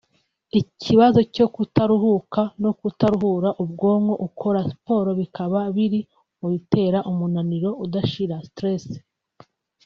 Ikibazo cyo kutaruhuka no kutaruhura ubwonko ukora siporo bikaba biri mu bitera umunaniro udashira (Stress)